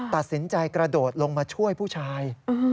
ตัดสินใจกระโดดลงมาช่วยผู้ชาย